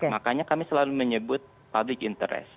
makanya kami selalu menyebut public interest